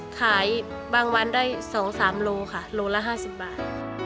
ขายบางวันได้๒๓โลค่ะโลละ๕๐บาท